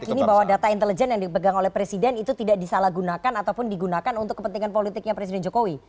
jadi anda meyakini bahwa data intelijen yang dipegang oleh presiden itu tidak disalahgunakan ataupun digunakan untuk kepentingan politiknya presiden jokowi